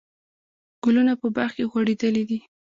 ګلونه په باغ کې غوړېدلي دي.